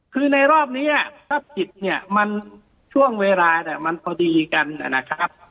คือในรอบนี้อ่ะทรัพย์จิตเนี้ยมันช่วงเวลาเนี้ยมันพอดีกันนะครับ